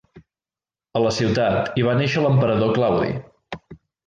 A la ciutat hi va néixer l'emperador Claudi.